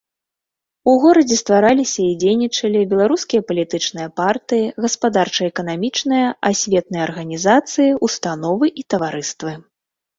У горадзе ствараліся і дзейнічалі беларускія палітычныя партыі, гаспадарча-эканамічныя, асветныя арганізацыі, установы і таварыствы.